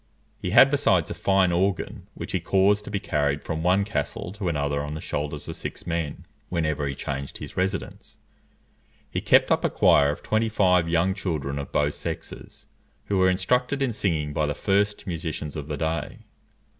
He had besides a fine organ, which he caused to be carried from one castle to another on the shoulders of six men, whenever he changed his residence. He kept up a choir of twenty five young children of both sexes, who were instructed in singing by the first musicians of the day.